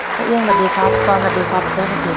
ปะเอียงสวัสดีครับตอนนี้กลับมาเซ้นครับอีก